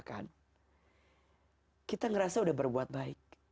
kita ngerasa sudah berbuat baik